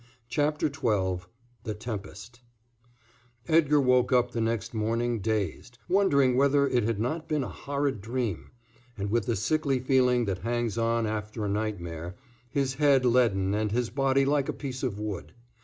CHAPTER XII THE TEMPEST Edgar woke up the next morning dazed, wondering whether it had not been a horrid dream, and with the sickly feeling that hangs on after a nightmare, his head leaden and his body like a piece of wood.